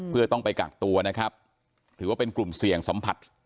เพื่อต้องไปกักตัวนะครับถือว่าเป็นกลุ่มเสี่ยงสัมผัส